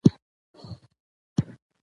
واوره د افغان ماشومانو د لوبو موضوع ده.